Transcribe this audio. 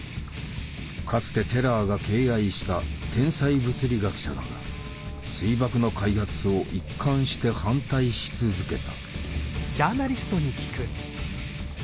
かつてテラーが敬愛した天才物理学者だが水爆の開発を一貫して反対し続けた。